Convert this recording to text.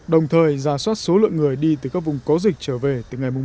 đồng thời giả soát số lượng người đi từ các vùng có dịch trở về từ ngày một tháng